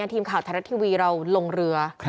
ทีมข่าวไทยรัฐทีวีเราลงเรือ